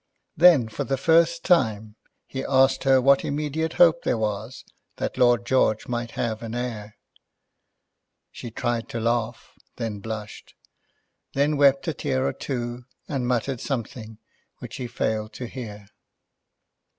Then for the first time, he asked her what immediate hope there was that Lord George might have an heir. She tried to laugh, then blushed; then wept a tear or two, and muttered something which he failed to hear.